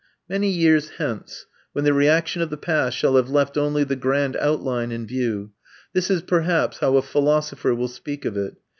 Many years hence, when the reaction of the past shall have left only the grand outline in view, this perhaps is how a philosopher will speak of it.